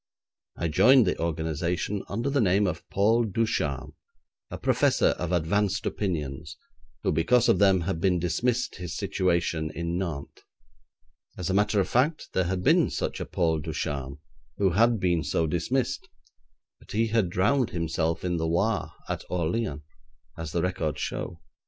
I joined the organisation under the name of Paul Ducharme, a professor of advanced opinions, who because of them had been dismissed his situation in Nantes. As a matter of fact there had been such a Paul Ducharme, who had been so dismissed, but he had drowned himself in the Loire, at Orleans, as the records show.